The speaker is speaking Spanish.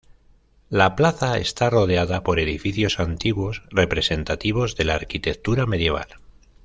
La plaza está rodeada por edificios antiguos representativos de la arquitectura medieval.